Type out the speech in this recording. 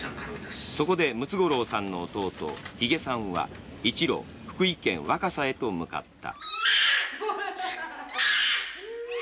そこでムツゴロウさんの弟ヒゲさんは一路、福井県若狭へと向かった。